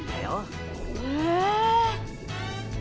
へえ。